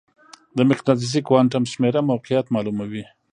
د مقناطیسي کوانټم شمېره موقعیت معلوموي.